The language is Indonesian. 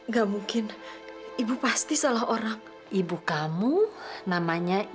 sampai jumpa di video selanjutnya